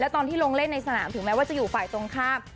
ตอนที่ลงเล่นในสนามถึงแม้ว่าจะอยู่ฝ่ายตรงข้าม